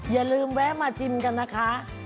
อย่าลืมแวะมาชิมกันนะคะ